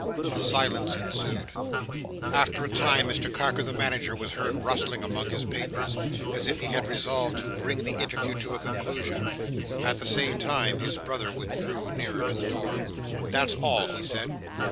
A silence ensued. After a time, Mr Carker the Manager was heard rustling among his papers, as if he had resolved to bring the interview to a conclusion. At the same time his brother withdrew nearer to the door. "That's all," he said.